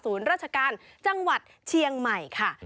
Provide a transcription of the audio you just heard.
ราชการจังหวัดเชียงใหม่ค่ะ